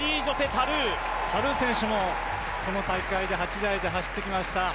タルー選手も、この大会８台で走ってきました。